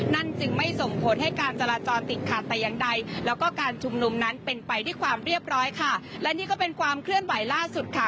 จึงไม่ส่งผลให้การจราจรติดขัดแต่อย่างใดแล้วก็การชุมนุมนั้นเป็นไปด้วยความเรียบร้อยค่ะและนี่ก็เป็นความเคลื่อนไหวล่าสุดค่ะ